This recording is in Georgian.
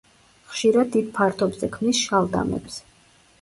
ხშირად დიდ ფართობზე ქმნის შალდამებს.